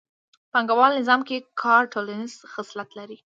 په پانګوالي نظام کې کار ټولنیز خصلت لري